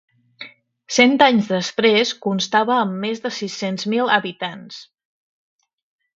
Cent anys després, constava amb més de sis-cents mil habitants.